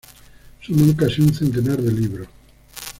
Suman casi un centenar de libros.